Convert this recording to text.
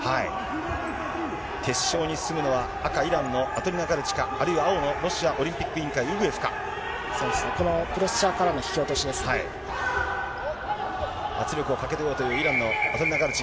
決勝に進むのは、赤、イランのアトリナガルチか、あるいは青のロシアオリンピック委員会、このプレッシャーからの引き圧力をかけようといういらんのアトリナガルチ。